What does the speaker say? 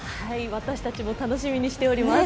私たちも楽しみにしております。